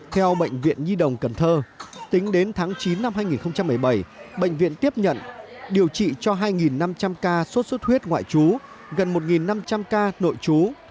theo bệnh viện nhi đồng cần thơ tính đến tháng chín năm hai nghìn một mươi bảy bệnh viện tiếp nhận điều trị cho hai năm trăm linh ca sốt xuất huyết ngoại trú gần một năm trăm linh ca nội trú